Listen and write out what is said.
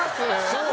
そう！